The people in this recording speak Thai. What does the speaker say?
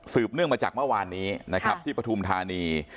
เนื่องมาจากเมื่อวานนี้นะครับที่ปฐุมธานี